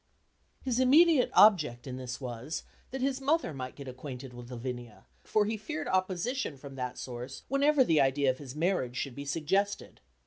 His immediate object in this was, that his mother might get acquainted with Lavinia, for he feared opposition from that source whenever the idea of his marriage should be suggested.